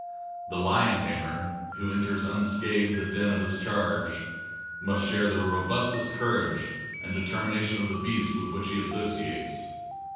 The lion tamer, who enters unscathed the den of his charge, must share the robustious courage and determination of the beast with which he associates.